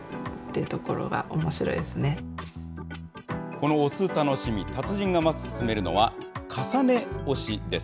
この押す楽しみ、達人がまず勧めるのは、重ね押しです。